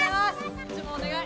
こっちもお願い！